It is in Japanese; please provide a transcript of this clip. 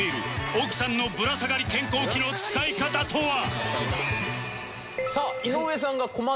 奥さんのぶら下がり健康器の使い方とは？